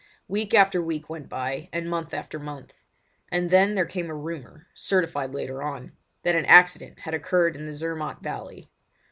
Week after week went by, and month after month; and then there came a rumour, certified later on, that an accident had occurred in the Zermatt valley.